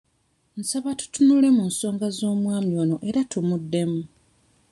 Nsaba tutunule mu nsonga z'omwami ono era tumuddemu.